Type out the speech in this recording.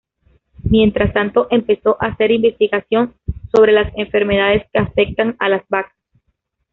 Mientras tanto, empezó a hacer investigación sobre las enfermedades que afectan a las vacas.